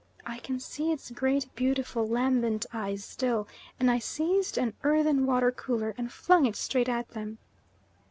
I can see its great, beautiful, lambent eyes still, and I seized an earthen water cooler and flung it straight at them.